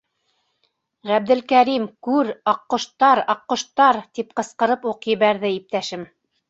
— Ғәбделкәрим, күр, аҡҡоштар, аҡҡоштар, — тип ҡысҡырып уҡ ебәрҙе иптәшем.